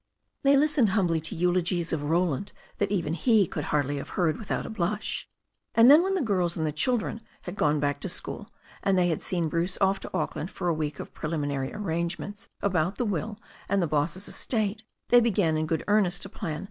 They listened humbly to eulogies of Roland that even he could hardly have heard without a blush. And theii when the girls and the children had gone back to school, and they had seen Bruce off to Auckland for a week of preliminary ar rangements about the will and the boss's estate^ they began in good earnest to ^Vaxi 'wVwa.